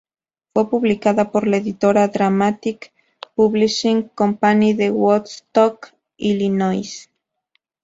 Fue publicada por la editora Dramatic Publishing Company de Woodstock, Illinois.